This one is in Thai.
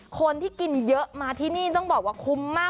คนที่กินเยอะมาที่นี่ต้องบอกว่าคุ้มมาก